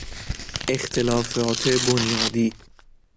اختلافات بنیادی